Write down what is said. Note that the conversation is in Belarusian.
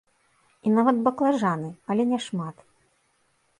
І нават баклажаны, але не шмат.